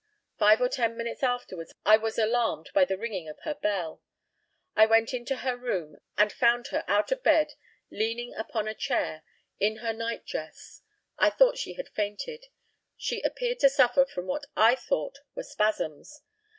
Five or ten minutes afterwards I was alarmed by the ringing of her bell. I went into her room, and found her out of bed leaning upon a chair, in her night dress. I thought she had fainted. She appeared to suffer from what I thought were spasms.